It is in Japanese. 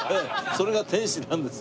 それが店主なんですよ。